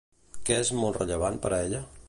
Què és molt rellevant per a ella?